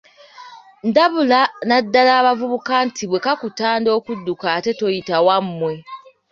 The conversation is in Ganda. Ndabula naddala abavubuka nti bwe bakutenda okudduka ate toyita wammwe.